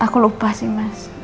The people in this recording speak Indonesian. aku lupa sih mas